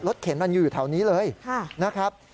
เข็นมันอยู่แถวนี้เลยนะครับ